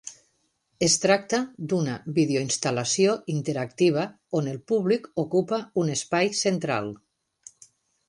Es tracta d'una videoinstal·lació interactiva on el públic ocupa un espai central.